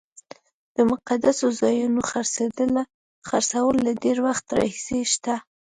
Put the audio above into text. د مقدسو ځایونو خرڅول له ډېر وخت راهیسې شته.